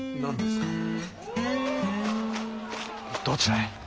どちらへ？